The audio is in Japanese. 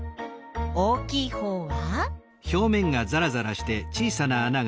大きいほうは？